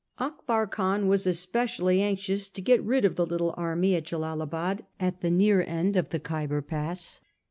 Akbar Khan was especially anxious to get rid of the little army at Jellalabad at the near end of the Khyber Pass.